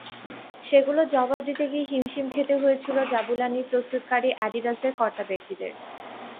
সেগুলোর জবাব দিতে গিয়ে হিমশিম খেতে হয়েছিল জাবুলানির প্রস্তুতকারী অ্যাডিডাসের কর্তাব্যক্তিদের।